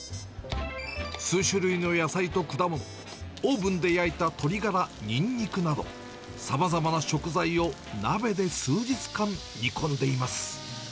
数種類の野菜と果物、オーブンで焼いた鶏がら、ニンニクなど、さまざまな食材を鍋で数日間、煮込んでいます。